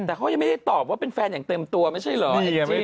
แต่เขายังไม่ได้ตอบว่าเป็นแฟนอย่างเต็มตัวไม่ใช่เหรอ